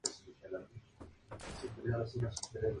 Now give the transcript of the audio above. Alberga una excelente muestra de pintura medieval georgiana.